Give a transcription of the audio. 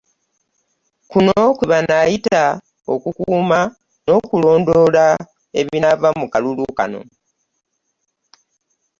Kuno kwe banaayita okukuuma n'okulondoola ebinaava mu kalulu kano